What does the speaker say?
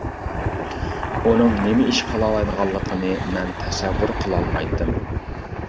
ئۇنىڭ نېمە ئىش قىلالايدىغانلىقىنى مەن تەسەۋۋۇر قىلالمايتتىم.